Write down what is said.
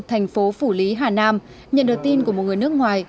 thành phố phủ lý hà nam nhận được tin của một người nước ngoài